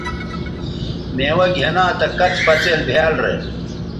میوہ گِھنا تہ کڅ پڅئیل بھیال رے